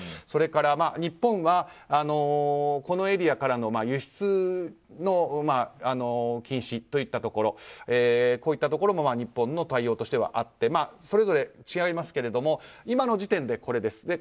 それから日本はこのエリアからの輸出の禁止といったところこういったところも日本の対応としてはあってそれぞれ違いますが今の時点でこれです。